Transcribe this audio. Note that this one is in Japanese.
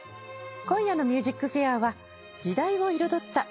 今夜の『ＭＵＳＩＣＦＡＩＲ』は。